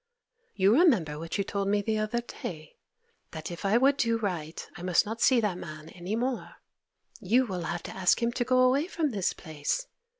You remember what you told me the other day, "that if I would do right I must not see that man any more." You will have to ask him to go away from this place.